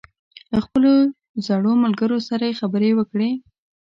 له خپلو زړو ملګرو سره یې خبرې وکړې.